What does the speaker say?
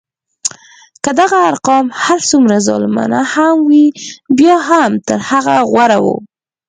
که دغه ارقام هر څومره ظالمانه هم وي بیا هم تر هغه غوره وو.